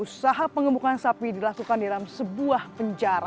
usaha pengembukan sapi dilakukan di dalam sebuah penjara